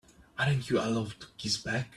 Aren't you allowed to kiss back?